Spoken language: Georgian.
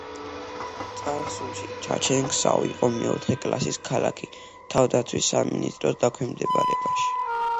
წარსულში, ჩაჩენგსაო იყო მეოთხე კლასის ქალაქი თავდაცვის სამინისტროს დაქვემდებარებაში.